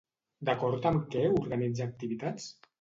D'acord amb què organitza activitats?